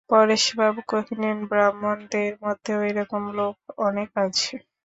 পরেশবাবু কহিলেন, ব্রাহ্মদের মধ্যেও এরকম লোক অনেক আছে।